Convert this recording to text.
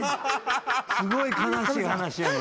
すごい悲しい話やのに。